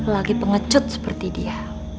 lagi pengecut seperti dia